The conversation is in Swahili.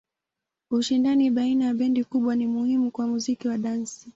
Ushindani baina ya bendi kubwa ni muhimu kwa muziki wa dansi.